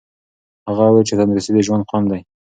هغه وویل چې تندرستي د ژوند خوند دی.